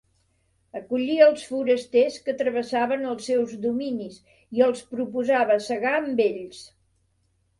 Acollia els forasters que travessaven els seus dominis i els proposava segar amb ells.